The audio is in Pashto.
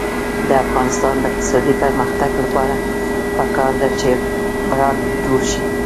د افغانستان د اقتصادي پرمختګ لپاره پکار ده چې برانډ جوړ شي.